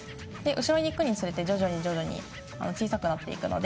後ろに行くにつれて徐々に徐々に小さくなっていくので。